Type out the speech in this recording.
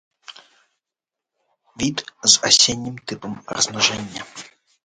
Від з асеннім тыпам размнажэння.